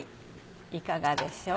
いかがでしょう。